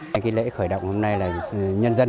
cái lễ khởi động hôm nay là nhân dân